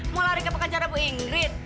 mau lari ke penjara bu ingrid